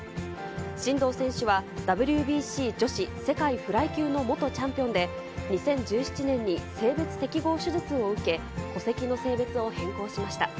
真道選手は、ＷＢＣ女子世界フライ級の元チャンピオンで、２０１７年に性別適合手術を受け、戸籍の性別を変更しました。